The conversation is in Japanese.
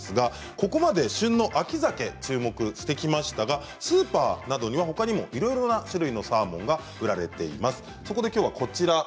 ここまで旬の秋ザケに注目してきましたがスーパーなどほかにもいろいろな種類のサーモンが売られています。